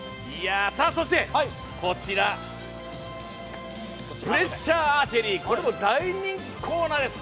そして、プレッシャーアーチェリーこれも大人気コーナーです。